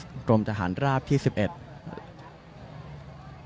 หลายกลุ่มด้วยกันเดินทางเข้ามาในพื้นที่ด้วยแล้วก็ดูแลพื้นที่จุดต่าง